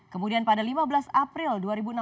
kemudian pada lima belas april dua ribu enam belas